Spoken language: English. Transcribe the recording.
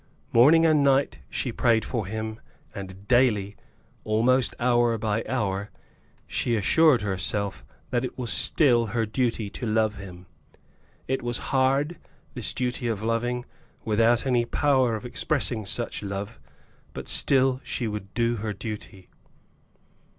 Morning and night she prayed for him, and daily, almost hour by hour, she assured herself that it was still her duty to love him. It was hard, this duty of loving, without any power of expressing such love. But still she would do her duty.